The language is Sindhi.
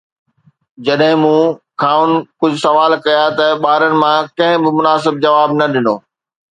جڏهن مون کانئن ڪجهه سوال ڪيا ته ٻارن مان ڪنهن به مناسب جواب نه ڏنو